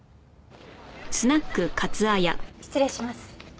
失礼します。